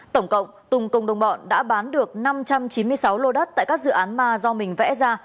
tổng cộng tùng cùng đồng bọn đã bán được năm trăm chín mươi sáu lô đất tại các dự án ma do mình vẽ ra